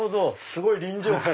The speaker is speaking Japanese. すごい臨場感。